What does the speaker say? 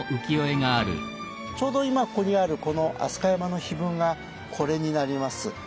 ちょうど今ここにあるこの飛鳥山の碑文がこれになります。